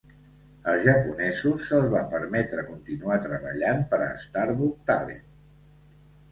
Els japonesos se'ls va permetre continuar treballant per a Starbuck-Talent.